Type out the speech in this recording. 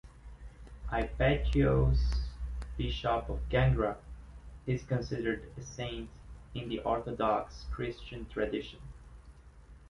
Hypatios, bishop of Gangra, is considered a saint in the Orthodox Christian tradition.